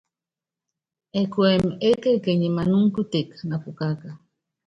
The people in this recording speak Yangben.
Ɛkuɛmɛ ékekenyi manúŋɔ kutéke na pukaka.